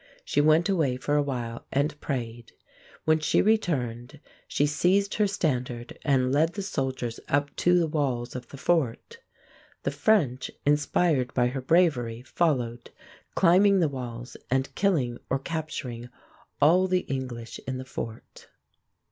She went away for awhile and prayed. When she returned, she seized her standard and led the soldiers up to the walls of the fort. The French, inspired by her bravery, followed, climbing the walls and killing or capturing all the English in the fort.